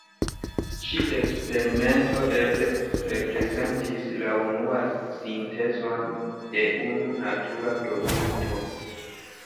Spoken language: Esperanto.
Ĉi-eksperimento eble reprezentis la unuan sintezon de unu natura produkto.